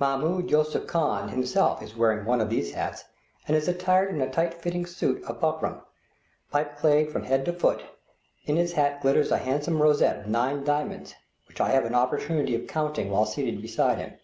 Mahmoud Yusupli Khan himself is wearing one of these hats, and is attired in a tight fitting suit of buckram, pipe clayed from head to foot; in his hat glitters a handsome rosette of nine diamonds, which I have an opportunity of counting while seated beside him.